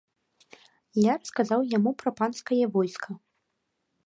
Я расказаў яму пра панскае войска.